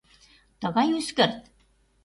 Тыгай ӱскырт?